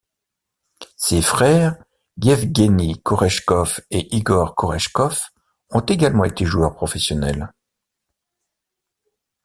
Ses frères Ievgueni Korechkov et Igor Korechkov ont également été joueurs professionnels.